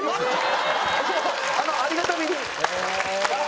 あのありがたみに。